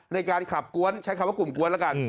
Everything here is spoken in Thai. ในการขับกวนใช้คำว่ากลุ่มกวนแล้วกัน